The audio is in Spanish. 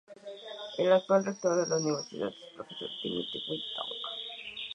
El actual Rector de la Universidad es el profesor Timothy W. Tong.